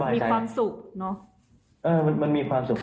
มีความสุขเนอะมันมีความสุข